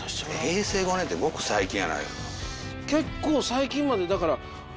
平成５年ってごく最近。